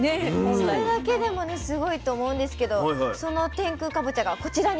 それだけでもねすごいと思うんですけどその天空かぼちゃがこちらになります。